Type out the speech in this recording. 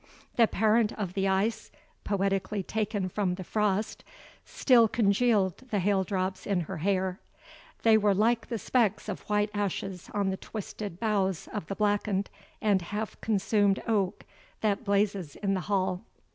The parent of the ice [poetically taken from the frost] still congealed the hail drops in her hair; they were like the specks of white ashes on the twisted boughs of the blackened and half consumed oak that blazes in the hall.